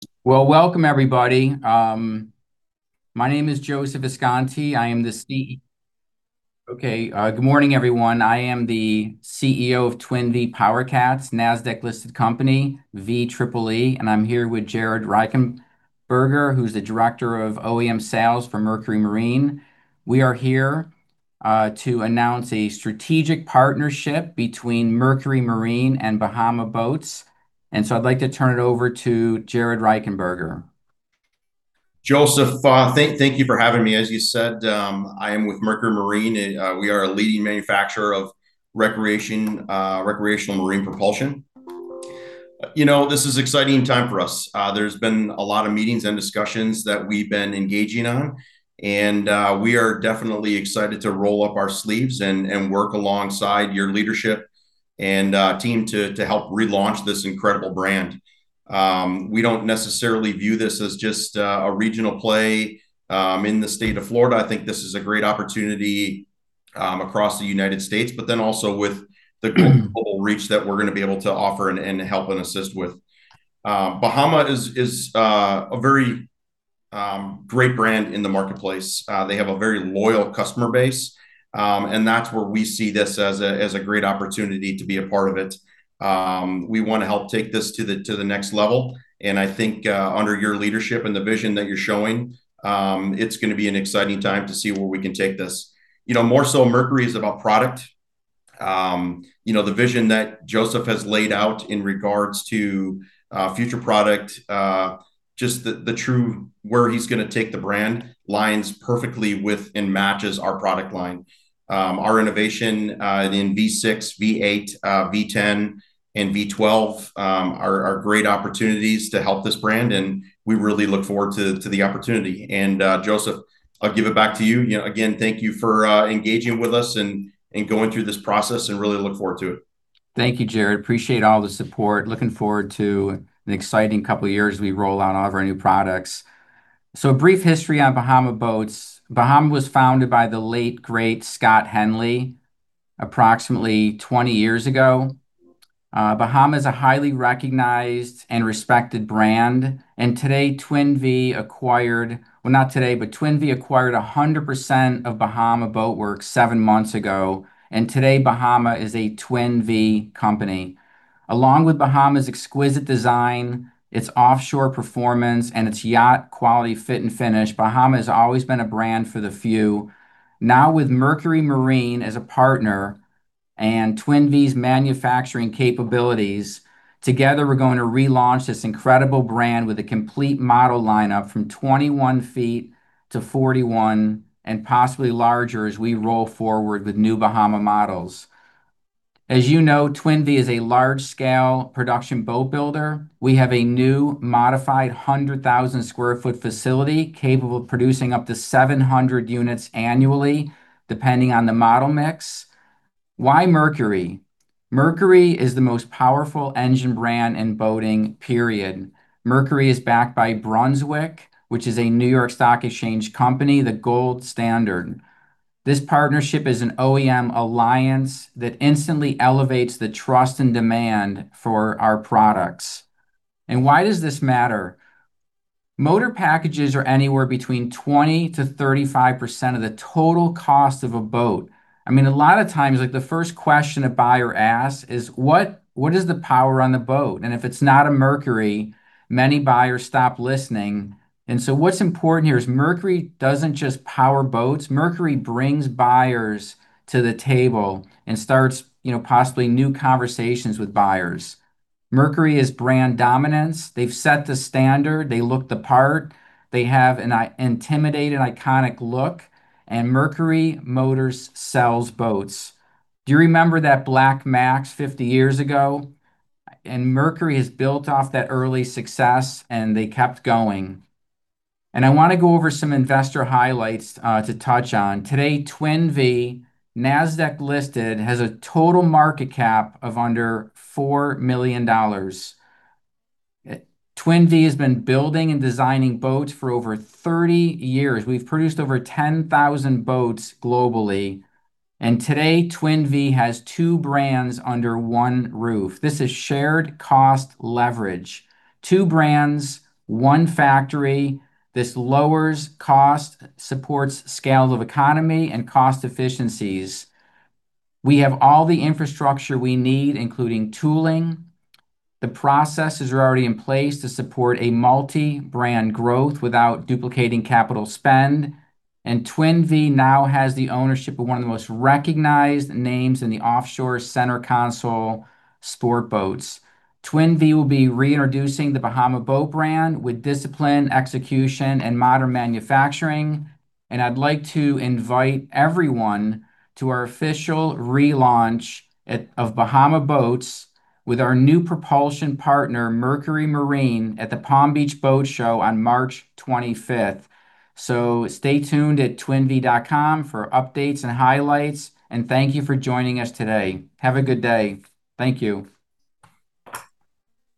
Welcome, everybody. My name is Joseph Visconti. Good morning, everyone. I am the CEO of Twin Vee PowerCats, a Nasdaq-listed company, VEEE, and I'm here with Jared Reichenberger, who's the Director of OEM Sales for Mercury Marine. We are here to announce a strategic partnership between Mercury Marine and Bahama Boats. I'd like to turn it over to Jared Reichenberger. Joseph, thank you for having me. As you said, I am with Mercury Marine. We are a leading manufacturer of recreational marine propulsion. You know, this is an exciting time for us. There's been a lot of meetings and discussions that we've been engaging on. And we are definitely excited to roll up our sleeves and work alongside your leadership and team to help relaunch this incredible brand. We don't necessarily view this as just a regional play in the state of Florida. I think this is a great opportunity across the United States, but then also with the global reach that we're going to be able to offer and help and assist with. Bahama is a very great brand in the marketplace. They have a very loyal customer base. And that's where we see this as a great opportunity to be a part of it. We want to help take this to the next level. I think under your leadership and the vision that you're showing, it's going to be an exciting time to see where we can take this. You know, more so, Mercury is about product. You know, the vision that Joseph has laid out in regards to future product, just truly where he's going to take the brand lines perfectly aligns with and matches our product line. Our innovation in V6, V8, V10, and V12 are great opportunities to help this brand. We really look forward to the opportunity. Joseph, I'll give it back to you. Again, thank you for engaging with us and going through this process and really look forward to it. Thank you, Jared. Appreciate all the support. Looking forward to an exciting couple of years as we roll out all of our new products. So a brief history on Bahama Boat Works. Bahama was founded by the late great Scott Henley approximately 20 years ago. Bahama is a highly recognized and respected brand. And today, Twin Vee acquired, well, not today, but Twin Vee acquired 100% of Bahama Boat Works seven months ago. And today, Bahama is a Twin Vee company. Along with Bahama's exquisite design, its offshore performance, and its yacht-quality fit and finish, Bahama has always been a brand for the few. Now, with Mercury Marine as a partner and Twin Vee's manufacturing capabilities, together, we're going to relaunch this incredible brand with a complete model lineup from 21 ft to 41 and possibly larger as we roll forward with new Bahama models. As you know, Twin Vee is a large-scale production boat builder. We have a new modified 100,000 sq ft facility capable of producing up to 700 units annually, depending on the model mix. Why Mercury? Mercury is the most powerful engine brand in boating, period. Mercury is backed by Brunswick, which is a New York Stock Exchange company, the gold standard. This partnership is an OEM alliance that instantly elevates the trust and demand for our products. And why does this matter? Motor packages are anywhere between 20%-35% of the total cost of a boat. I mean, a lot of times, like the first question a buyer asks is, "What is the power on the boat?" And if it's not a Mercury, many buyers stop listening. And so what's important here is Mercury doesn't just power boats. Mercury brings buyers to the table and starts, you know, possibly new conversations with buyers. Mercury is brand dominance. They've set the standard. They look the part. They have an intimidating, iconic look. And Mercury Motors sells boats. Do you remember that Black Max 50 years ago? And Mercury has built off that early success, and they kept going. And I want to go over some investor highlights to touch on. Today, Twin Vee, Nasdaq-listed, has a total market cap of under $4 million. Twin Vee has been building and designing boats for over 30 years. We've produced over 10,000 boats globally. And today, Twin Vee has two brands under one roof. This is shared cost leverage. Two brands, one factory. This lowers cost, supports scale of economy, and cost efficiencies. We have all the infrastructure we need, including tooling. The processes are already in place to support a multi-brand growth without duplicating capital spend. And Twin Vee now has the ownership of one of the most recognized names in the offshore center console sport boats. Twin Vee will be reintroducing the Bahama Boat brand with discipline, execution, and modern manufacturing. And I'd like to invite everyone to our official relaunch of Bahama Boats with our new propulsion partner, Mercury Marine, at the Palm Beach Boat Show on March 25th. So stay tuned at twinvee.com for updates and highlights. And thank you for joining us today. Have a good day. Thank you.